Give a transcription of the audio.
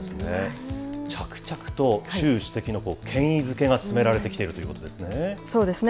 着々と習主席の権威づけが進められてきているということですそうですね。